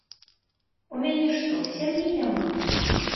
У мяне што, сям'і няма?